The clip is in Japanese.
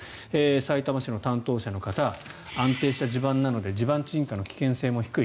さいたま市の担当者の方安定した地盤なので地盤沈下の危険性が低い。